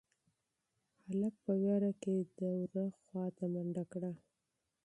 هلک په وېره کې د دروازې خواته منډه کړه.